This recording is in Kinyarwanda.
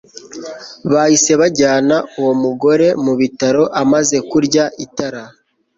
Bahise bajyana uwo mugore mu bitaro amaze kurya itara